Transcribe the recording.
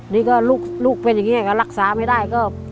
นี่ก็ลูกเป็นอย่างนี้ก็รักษาไม่ได้ก็